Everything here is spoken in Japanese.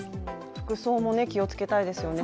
服装も気をつけたいですよね